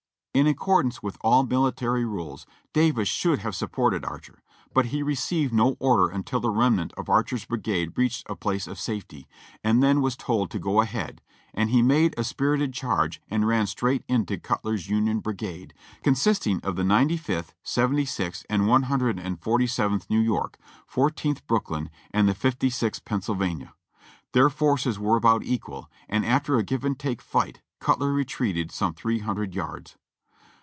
In accordance with all military rules, Davis should have sup ported Archer, but he received no order until the remnant of Archer's brigade reached a place of safety, and then was told to go ahead, and he made a spirited charge and ran straight into Cutler's Union Brigade, consisting of the Ninety fifth. Seventy sixth, and One Hundred and Forty seventh New York, Fourteenth Brooklyn and the Fifty sixth Pennsylvania. Their forces were about equal, and after a give and take fight Cutler retreated some three hundred yards.